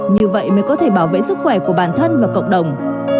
như vậy mới có thể bảo vệ sức khỏe của bản thân và cộng đồng